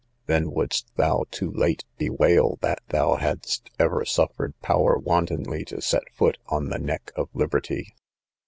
then wouldst thou, too late, bewail that thou hadst ever suffered power wantonly to set foot on the neck of liberty.